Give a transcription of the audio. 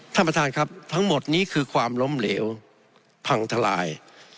ท่านประธานครับทั้งหมดนี้คือความล้มเหลวพังทลาย